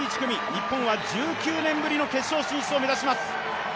日本は１９年ぶりの決勝進出を目指します。